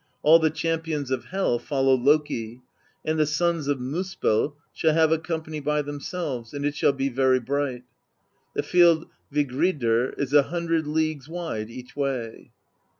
All the cham pions of Hel follow Loki; and the Sons of Miispell shall have a company by themselves, and it shall be very bright. The field Vigridr is a hundred leagues wide each way.